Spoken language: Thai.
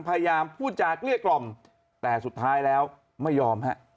พยายามพูดจากเกลี้ยกล่อมแต่สุดท้ายแล้วไม่ยอมฮะ